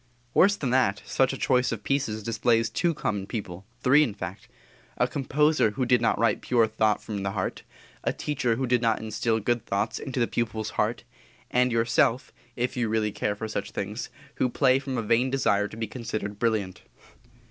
Worse than that, such a choice of pieces displays two common people, three, in fact: A composer who did not write pure thought from the heart; a teacher who did not instil good thoughts into the pupil's heart; and yourself (if really you care for such things) who play from a vain desire to be considered brilliant.